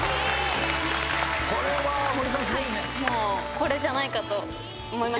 これじゃないかと思いました。